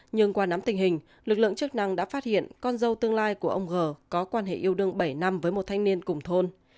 nhưng qua nắm tình hình lực lượng chức năng đã phát hiện con dâu tương lai của ông g có quan hệ yêu đương bảy năm với một thanh niên cùng thôn